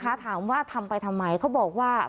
ถามว่าทำไปทำไมเขาบอกว่า